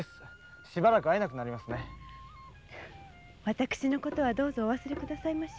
私のことはどうぞお忘れくださいまし。